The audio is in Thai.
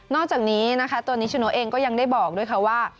อกจากนี้นะคะตัวนิชโนเองก็ยังได้บอกด้วยค่ะว่า